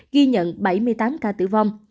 ghi nhận bảy mươi tám ca tử vong